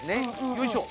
よいしょ